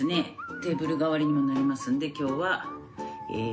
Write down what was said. テーブル代わりにもなりますので今日は焼酎。